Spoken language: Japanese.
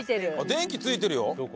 電気ついてるよ！